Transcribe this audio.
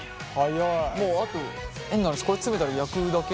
もうあと変な話これ詰めたら焼くだけ？